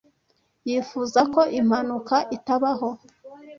Yifuza ko impanuka itabaho.